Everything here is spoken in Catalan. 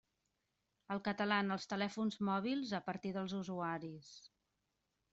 El català en els telèfons mòbils a partir dels usuaris.